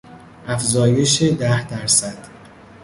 افزایش ده درصد